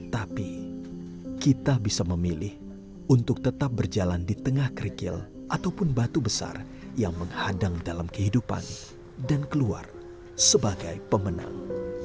tapi kita bisa memilih untuk tetap berjalan di tengah kerikil ataupun batu besar yang menghadang dalam kehidupan dan keluar sebagai pemenang